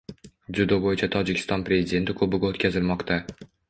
Dzyudo bo‘yicha Tojikiston Prezidenti kubogi o‘tkazilmoqda